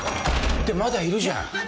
・ってまだいるじゃん！